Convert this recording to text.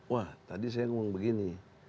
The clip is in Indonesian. wah tadi saya ngomong begini